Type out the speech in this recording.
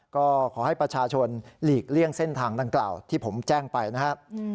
ก็ขอให้ประชาชนหลีกเลี่ยงเส้นทางดังกล่าวที่ผมแจ้งไปนะครับ